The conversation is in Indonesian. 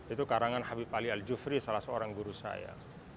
itu karangan habib ali al jufri salah seorang guru saya